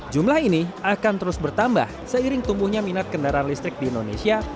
jumlah ini akan terus bertambah seiring tumbuhnya minat kendaraan listrik di indonesia